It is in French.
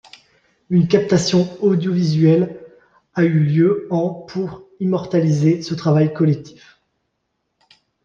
Une captation audiovisuelle a eu lieu en pour immortaliser ce travail collectif.